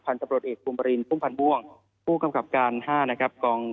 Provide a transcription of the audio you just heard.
ตำรวจเอกภูมิบรินพุ่มพันธ์ม่วงผู้กำกับการ๕นะครับ